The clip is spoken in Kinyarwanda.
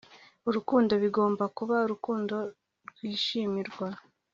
urukundo bigomba kuba urukundo rwishimirwa